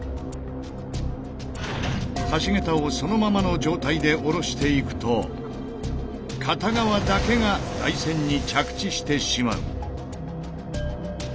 橋桁をそのままの状態でおろしていくと片側だけが台船に着地してしまう。